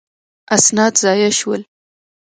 اسناد ضایع شول.